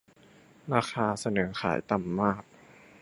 ราคาเสนอขายต่ำมาก